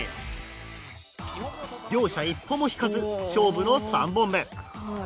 両者一歩も引かず勝負の３本目。